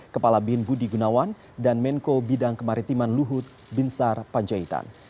kepala bin budi gunawan dan menko bidang kemaritiman luhut binsar panjaitan